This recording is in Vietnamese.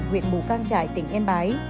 huyện bù cang trải tỉnh yên bái